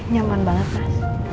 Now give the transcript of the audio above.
nyaman banget mas